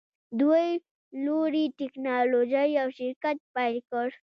دوی د لوړې ټیکنالوژۍ یو شرکت پیل کړ